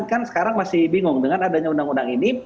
kan sekarang masih bingung dengan adanya undang undang ini